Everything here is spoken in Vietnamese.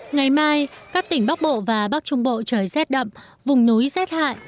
ngày mai các tỉnh bắc bộ và bắc trung bộ trời rét đậm vùng núi rét hại